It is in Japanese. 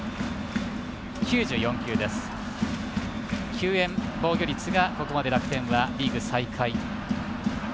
球宴防御率がここまで楽天はリーグ最下位。